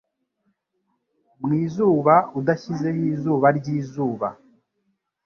mwizuba udashyizeho izuba ryizuba